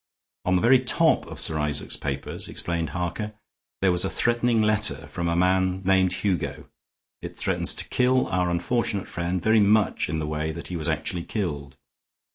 "On the very top of Sir Isaac's papers," explained Harker, "there was a threatening letter from a man named Hugo. It threatens to kill our unfortunate friend very much in the way that he was actually killed.